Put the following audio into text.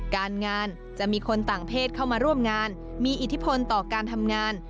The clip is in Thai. การงานจะมีคนต่างเพศเข้ามาร่วมงานมีอิทธิพลต่อการทำงาน